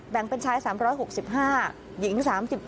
เป็นชาย๓๖๕หญิง๓๗